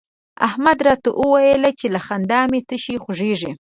احمد راته وويل چې له خندا مې تشي خوږېږي.